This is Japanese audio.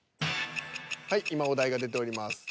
はい今お題が出ております。